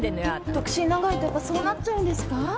独身長いとやっぱそうなっちゃうんですか？